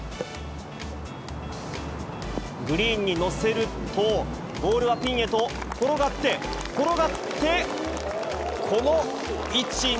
グリーンに乗せると、ボールはピンへと転がって、転がって、この位置に。